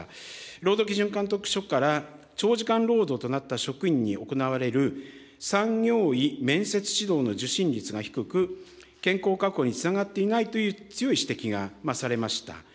労働基準監督署から、長時間労働となった職員に行われる産業医面接指導の受診率が低く、健康確保につながっていないという強い指摘がされました。